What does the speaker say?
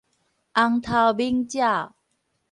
紅頭猛鳥